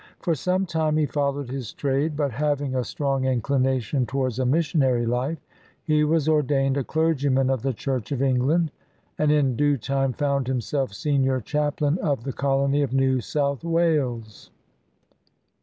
For some time he followed his trade ; but, having a strong inclination towards a missionary life, he was ordained a clergyman of the Church of Eng land, and in due time found himself senior chaplain of the colony of New South Wales.